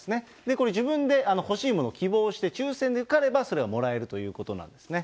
これ、自分で欲しいものを希望して、抽せんで受かれば、それはもらえるということなんですね。